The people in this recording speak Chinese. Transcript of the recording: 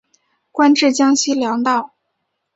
官至江西粮道。